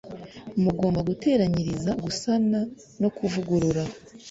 mugomba guteranyiriza gusana no kuvugurura